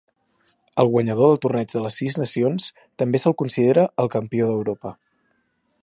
El guanyador del Torneig de les Sis Nacions també se'l considera el campió d'Europa.